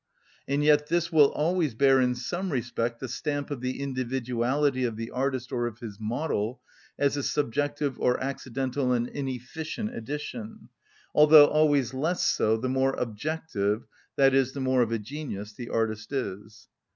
And yet this will always bear in some respect the stamp of the individuality of the artist or of his model, as a subjective or accidental and inefficient addition; although always less so the more objective, i.e., the more of a genius, the artist is.